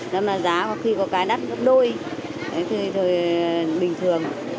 nên mà giá có khi có cái đắt đôi thế thì bình thường